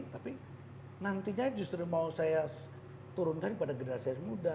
tapi nantinya justru mau saya turun tadi pada generasi muda